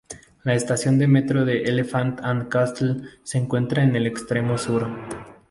La estación de metro de Elephant and Castle se encuentra en el extremo sur.